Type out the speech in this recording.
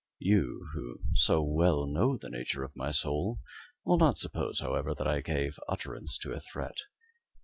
You, who so well know the nature of my soul, will not suppose, however, that I gave utterance to a threat.